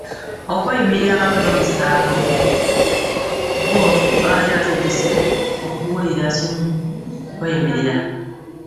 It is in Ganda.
Okweyimirirwa awamu n'omusango, bo babadde beetegese kuwulira kimu kweyimirirwa.